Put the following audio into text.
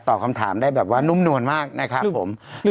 คำถามได้แบบว่านุ่มนวลมากนะครับผม